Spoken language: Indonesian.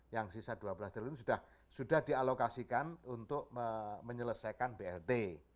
yang sisa dua belas triliun sudah dialokasikan untuk menyelesaikan blt